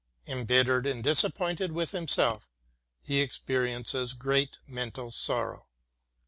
Embittered and disappointed with himself, he experiences great mental sorrow.